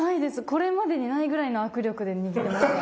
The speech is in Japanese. これまでにないぐらいの握力で握ってました。